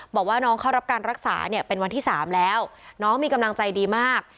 บอกว่าน้องเข้ารับการรักษาเนี่ยเป็นวันที่๓แล้วน้องมีกำลังใจดีมาก